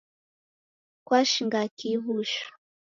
Kwashinga kihi w'ushu?